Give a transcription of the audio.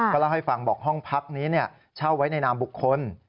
ก็เล่าให้ฟังบอกห้องพักนี้เช่าไว้ในนามบุคคล